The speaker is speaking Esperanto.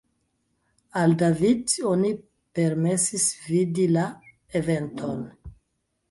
Al David oni permesis vidi la eventon.